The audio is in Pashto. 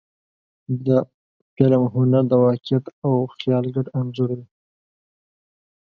د فلم هنر د واقعیت او خیال ګډ انځور دی.